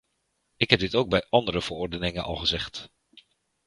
Ik heb dit ook bij andere verordeningen al gezegd.